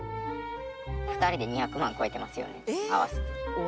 ２人で２００万超えてますよね合わせて。